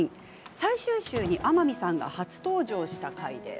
最終週に、天海さんが初登場した回です。